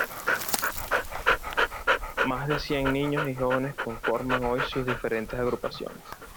Más de cien niños y jóvenes conforman hoy sus diferentes agrupaciones.